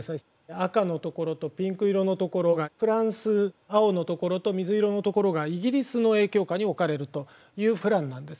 赤のところとピンク色のところがフランス青のところと水色のところがイギリスの影響下に置かれるというプランなんです。